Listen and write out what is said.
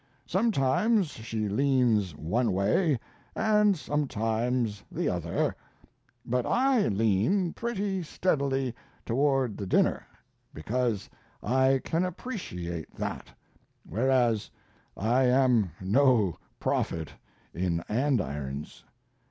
Sometimes she leans one way and sometimes the other; but I lean pretty steadily toward the dinner because I can appreciate that, whereas I am no prophet in andirons.